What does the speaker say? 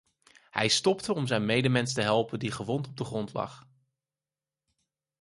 Hij stopte om zijn medemens te helpen die gewond op de grond lag.